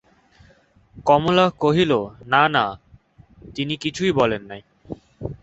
কমলা কহিল, না না, তিনি কিছুই বলেন নাই।